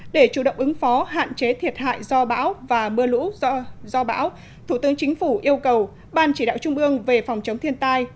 để chủ động ứng phó hạn chế thiệt hại do bão và mưa lũ do bão thủ tướng chính phủ yêu cầu ban chỉ đạo trung ương về phòng chống thiên tai